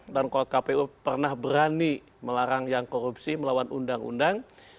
dan kalau kpu pernah berani melarang yang korupsi melawan undang undang